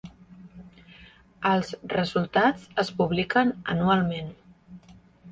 Els resultats es publiquen anualment.